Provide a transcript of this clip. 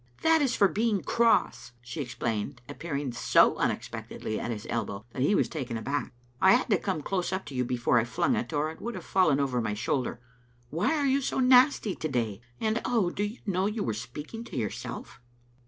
"That is for being cross," she explained, appearing so unexpectedly at his elbow that he was taken aback. " I had to come close up to you before I flung it, or it would have fallen over my shoulder. Why are you so nasty to day? and, oh, do you know you were speaking to yourself?"